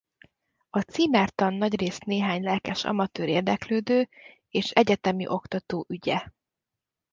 A címertan nagyrészt néhány lelkes amatőr érdeklődő és egyetemi oktató ügye.